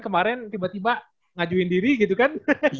kemarin tiba tiba ngajuin diri gitu kan